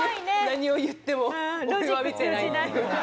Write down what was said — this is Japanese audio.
何を言っても俺は見てないって。